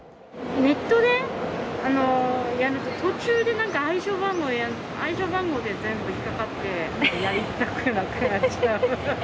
ネットでやると、途中でなんか暗証番号、暗証番号で全部引っ掛かって、やりたくなくなっちゃう。